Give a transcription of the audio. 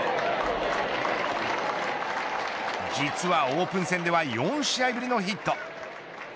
実はオープン戦では４試合ぶりのヒット。